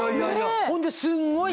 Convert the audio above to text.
ほんですんごい自然。